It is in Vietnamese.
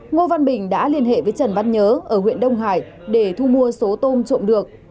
ngô văn bình đã liên hệ với trần văn nhớ ở huyện đông hải để thu mua số tôm trộm được